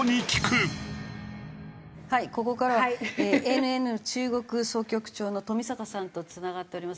はいここからはＡＮＮ中国総局長の冨坂さんとつながっております。